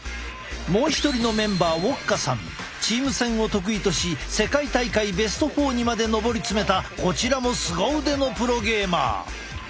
もう一人のメンバーチーム戦を得意とし世界大会ベスト４にまで上り詰めたこちらもすご腕のプロゲーマー。